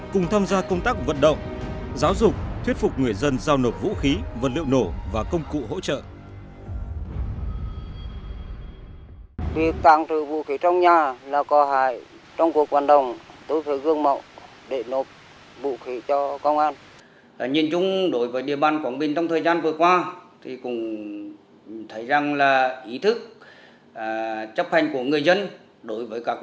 cùng tham gia công tác vận động giáo dục thuyết phục người dân giao nộp vũ khí vật liệu nổ và công cụ hỗ trợ